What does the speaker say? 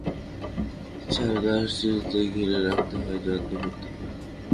চারাগাছটিকে ঘিরে রাখতে হয়, যত্ন করতে হয়।